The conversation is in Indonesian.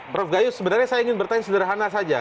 prof gayus sebenarnya saya ingin bertanya sederhana saja